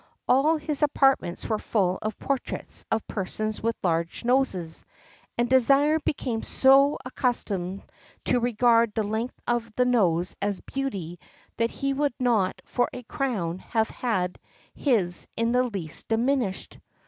All his apartments were full of portraits of persons with large noses, and Désir became so accustomed to regard the length of the nose as a beauty, that he would not for a crown have had his in the least diminished.